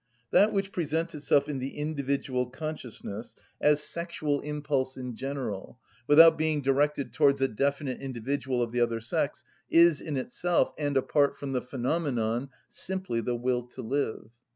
That which presents itself in the individual consciousness as sexual impulse in general, without being directed towards a definite individual of the other sex, is in itself, and apart from the phenomenon, simply the will to live.